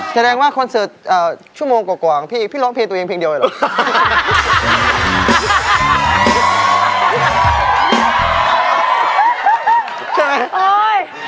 แสดงว่าคอนเสิร์ตชั่วโมงกว่าพี่พี่ร้องเพลงตัวเองเพลงเดียวเลยเหรอ